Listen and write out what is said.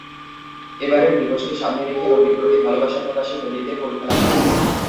এবারের দিবসকে সামনে রেখে নদীর প্রতি ভালোবাসা প্রকাশে নদীতে ফুল ফেলা হলো।